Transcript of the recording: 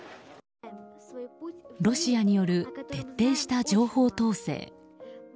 ロシアによる徹底した情報統制。